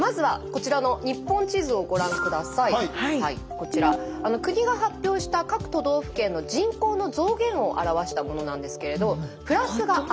こちら国が発表した各都道府県の人口の増減を表したものなんですけれどプラスが赤。